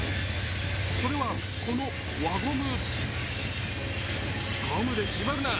それは、この輪ゴム。